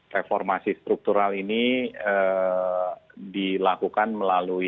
reformasi struktural ini dilakukan melalui